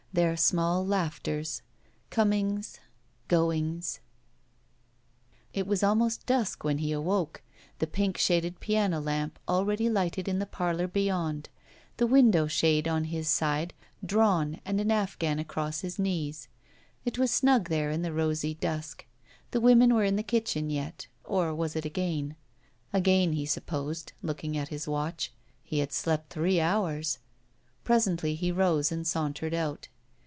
Their small laughters— comings— goings It was almost dusk when he awoke, the pink shaded piano lamp already lighted in the parlor beyond, the window shade at his side drawn and an 262 ROULETTE Afghan across his knees. It was snug there in the rosied dusk. The women were in the kitchen yet, or was it again ? Again, he supposed, looking at his watch. He had slept three hoinrs. Presently he rose and sauntered out.